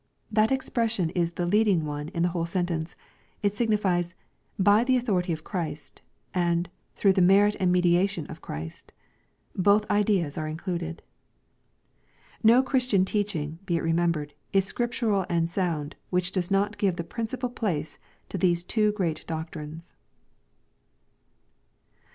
That expression is the leading one in the whole sentence. It signifies, " By the authority of Christ," and " Through the merit and mediation of Christ." Both ideas are in cluded. No Christian teaching, be it remembered, is scriptural and sound which does not give the principal place to these two great doc trines.